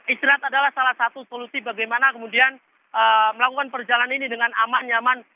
istirahat adalah salah satu solusi bagaimana kemudian melakukan perjalanan ini dengan aman nyaman